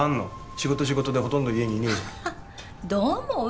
仕事仕事でほとんど家にいねえじゃんどう思う？